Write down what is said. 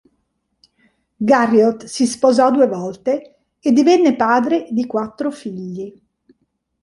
Garriott si sposò due volte e divenne padre di quattro figli.